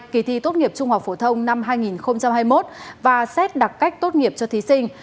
kỳ thi tốt nghiệp trung học phổ thông năm hai nghìn hai mươi một và xét đặc cách tốt nghiệp cho thí sinh